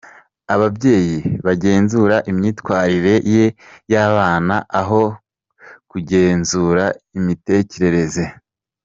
Ababyeyi bagenzura imyitwarire y’abana aho kugenzura imitekerereze.